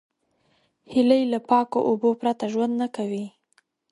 هیلۍ له پاکو اوبو پرته ژوند نه کوي